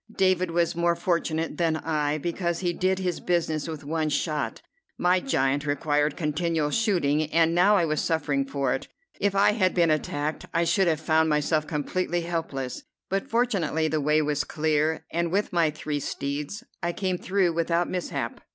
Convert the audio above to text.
David was more fortunate than I, because he did his business with one shot: my giant required continual shooting, and now I was suffering for it. If I had been attacked, I should have found myself completely helpless; but fortunately the way was clear, and with my three steeds I came through without mishap.